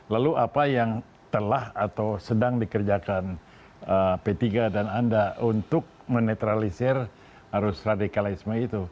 lalu apa yang telah atau sedang dikerjakan p tiga dan anda untuk menetralisir arus radikalisme itu